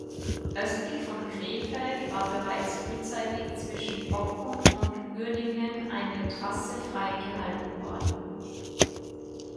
Östlich von Krefeld war bereits frühzeitig zwischen Bockum und Uerdingen eine Trasse freigehalten worden.